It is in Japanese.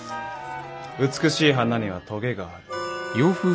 美しい花にはトゲがある。